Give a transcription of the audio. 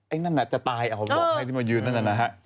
นั่นน่ะจะตายผมบอกให้ที่มายืนนั่นนะฮะ